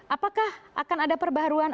apakah akan ada perbaruan